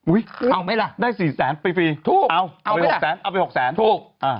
อุ๊ยได้๔๐๐๐๐๐ไปฟรีเอาไป๖๐๐๐๐๐เอาเหมือนกัน